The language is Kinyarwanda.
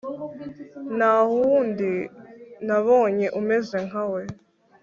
nta wundi nabonye umeze nkawe